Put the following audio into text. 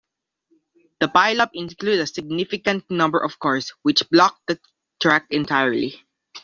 The pile-up included a significant number of cars which blocked the track entirely.